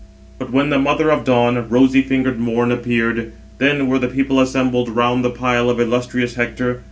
But when the mother of dawn, rosy fingered Morn, appeared, then were the people assembled round the pile of illustrious Hector.